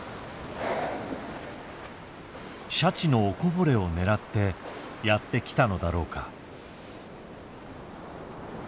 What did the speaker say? シャチのおこぼれを狙ってやって来たのだろうか。